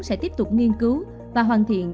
sẽ tiếp tục nghiên cứu và hoàn thiện